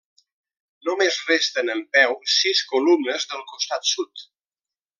Només resten en peu sis columnes del costat sud.